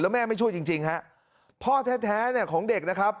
แล้วแม่ไม่ช่วยจริงฮะพ่อแท้ของเด็กนะครับ